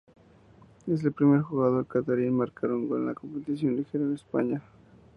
Es el primer jugador catarí en marcar un gol en competición ligera en España.